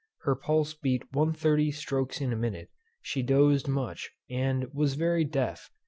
Her pulse beat 130 strokes in a minute; she dosed much; and was very deaf.